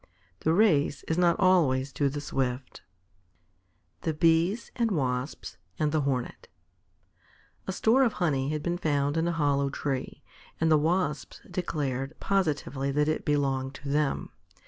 The race is not always to the swift. [Illustration: THE HARE AND THE TORTOISE] THE BEES AND WASPS, AND THE HORNET A store of honey had been found in a hollow tree, and the Wasps declared positively that it belonged to them.